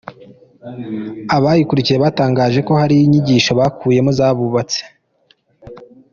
Abayikurikiye batangaza ko hari inyigisho bakuyemo zabubatse.